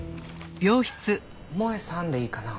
萌さんでいいかな？